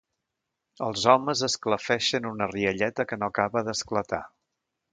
Els homes esclafeixen una rialleta que no acaba d'esclatar.